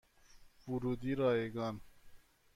ورودی رایگان